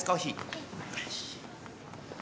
はい。